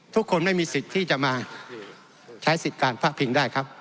ทุกคนไม่มีสิทธิ์ที่จะมาใช้สิทธิ์การพระพิงได้ครับ